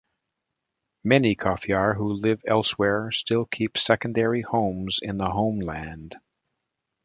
Many Kofyar who live elsewhere still keep secondary homes in the homeland.